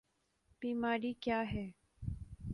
بیماری کیا ہے؟